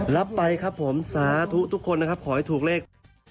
รับไปครับสาธุทุกคนขอให้ถูกเลข